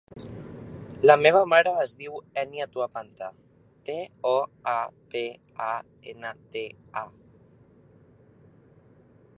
La meva mare es diu Ènia Toapanta: te, o, a, pe, a, ena, te, a.